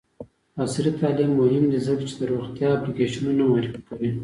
عصري تعلیم مهم دی ځکه چې د روغتیا اپلیکیشنونه معرفي کوي.